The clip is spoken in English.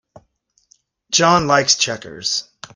John likes checkers.